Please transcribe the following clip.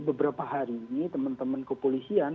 beberapa hari ini teman teman kepolisian